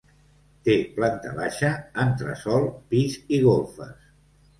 Té planta baixa, entresòl, pis i golfes.